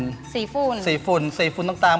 สีฝุ่นสีฝุ่นสีฝุ่นต่าง